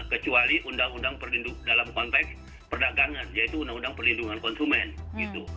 kecuali undang undang dalam konteks perdagangan yaitu undang undang perlindungan konsumen gitu